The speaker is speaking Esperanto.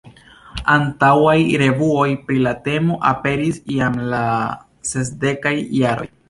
Antaŭaj revuoj pri la temo aperis jam en la sesdekaj jaroj.